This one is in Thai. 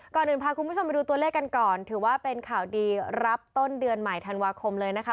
ก่อนอื่นพาคุณผู้ชมไปดูตัวเลขกันก่อนถือว่าเป็นข่าวดีรับต้นเดือนใหม่ธันวาคมเลยนะคะ